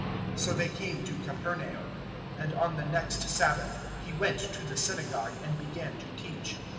001:021 So they came to Capernaum, and on the next Sabbath He went to the synagogue and began to teach.